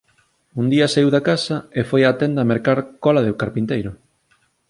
Un día saíu da casa e foi á tenda para mercar cola de carpinteiro.